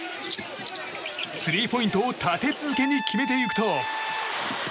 スリーポイントを立て続けに決めていくと。